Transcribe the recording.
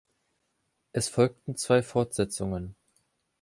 Es folgten zwei Fortsetzungen.